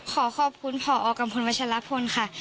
ขอขอบคุณผอกัมพลวัชลพลค่ะ